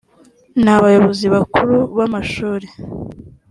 n abayobozi bakuru b amashuri